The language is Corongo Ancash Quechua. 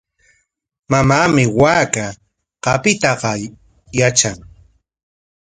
Mamaami waaka qapiytaqa yatran.